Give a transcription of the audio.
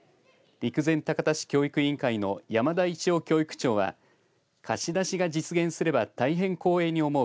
陸前高田市教育委員会の山田市雄教育長は貸し出しが実現すれば大変光栄に思う。